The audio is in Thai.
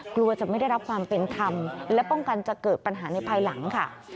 กลัวจะไม่ได้รับความเป็นธรรมและป้องกันจะเกิดปัญหาในภายหลังค่ะ